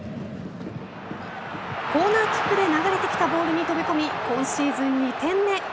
コーナーキックで流れてきたボールに飛び込み今シーズン２点目。